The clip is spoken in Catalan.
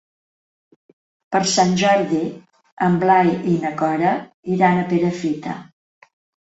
Per Sant Jordi en Blai i na Cora iran a Perafita.